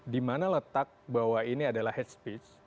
di mana letak bahwa ini adalah head speech